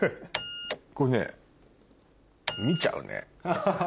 これね見ちゃうね。